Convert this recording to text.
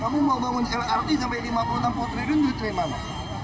kamu mau bangun lrt sampai rp lima puluh enam duitnya gimana